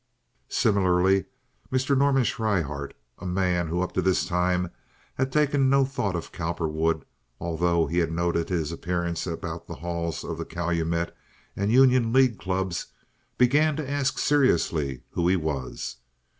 Similarly Mr. Norman Schryhart, a man who up to this time had taken no thought of Cowperwood, although he had noted his appearance about the halls of the Calumet and Union League Clubs, began to ask seriously who he was.